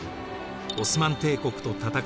オスマン帝国と戦い